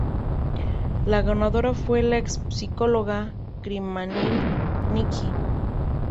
La ganadora fue la ex-psicóloga criminal Nicky.